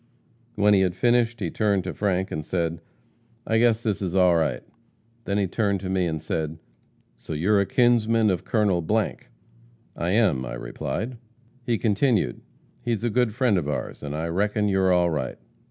When he had finished, he turned to Frank and said, 'I guess this is all right.' Then he turned to me and said, 'So you are a kinsman of Colonel ?' 'I am,' I replied. He continued, 'He is a good friend of ours, and I reckon you're all right.